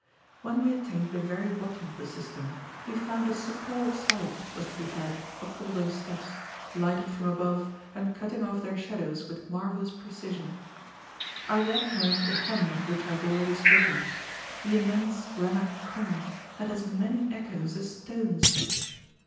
When we attained the very bottom of the cistern, we found a superb sight was to be had of all those steps, lighted from above and cutting off their shadows with marvelous precision. I then heard the hum of which I have already spoken: the immense granite conch had as many echoes as stones!